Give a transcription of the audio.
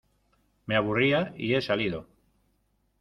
me aburría, y he salido...